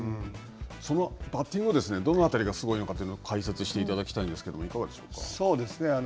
そのバッティングはどのあたりがすごいのかを解説していただきたいんですけど、いかがでしょうか。